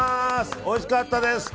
おいしかったです！